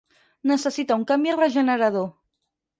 Necessita un canvi regenerador.